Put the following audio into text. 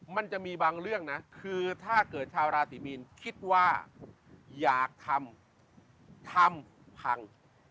มันจะมีบางเรื่องนะคือถ้าเกิดชาวราศีมีนคิดว่าอยากทำทำพัง